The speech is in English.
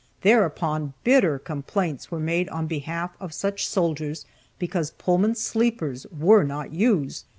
Thereupon bitter complaints were made on behalf of such soldiers because Pullman sleepers were not used!